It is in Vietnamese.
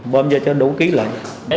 bơm cho đủ ký lần